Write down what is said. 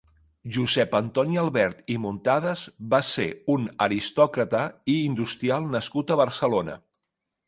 Josep Antoni Albert i Muntadas va ser un aristòcrata i industrial nascut a Barcelona.